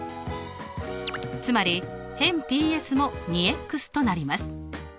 つまり辺ＰＳも２となります。